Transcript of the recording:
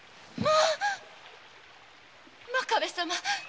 まあっ真壁様！